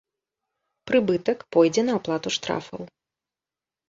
Прыбытак пойдзе на аплату штрафаў.